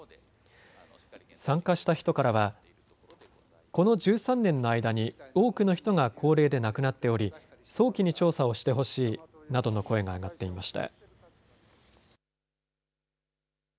参加した人からはこの１３年の間に多くの人が高齢で亡くなっており早期に調査をしてほしいなどの声が上がっていました。